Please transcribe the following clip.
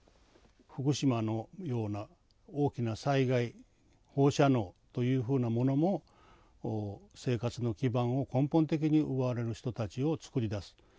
フクシマのような大きな災害放射能というふうなものも生活の基盤を根本的に奪われる人たちをつくり出す。